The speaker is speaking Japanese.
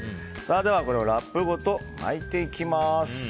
これをラップごと巻いていきます。